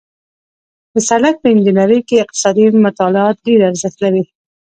د سړک په انجنیري کې اقتصادي مطالعات ډېر ارزښت لري